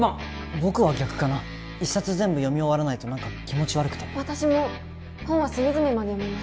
僕は逆かな一冊全部読み終わらないと何か気持ち悪くて私も本は隅々まで読みます